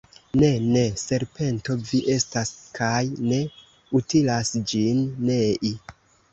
Ne, ne! Serpento vi estas, kaj ne utilas ĝin nei.